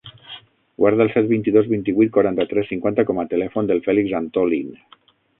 Guarda el set, vint-i-dos, vint-i-vuit, quaranta-tres, cinquanta com a telèfon del Fèlix Antolin.